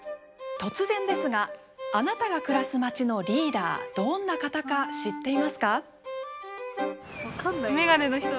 突然ですがあなたが暮らすまちの“リーダー”どんな方か知っていますか？